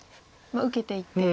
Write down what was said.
受けていって。